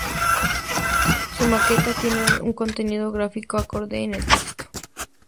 Su maquetación tiene un contenido gráfico acorde con el texto.